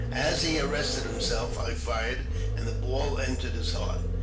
As he arrested himself, I fired, and the ball entered his heart.